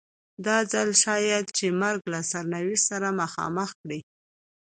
دا ځل شاید چې مرګ له سرنوشت سره مخامخ کړي.